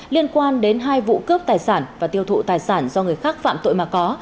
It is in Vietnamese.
liên quan đến hai vụ cướp tài sản và tiêu thụ tài sản do người khác phạm tội mà có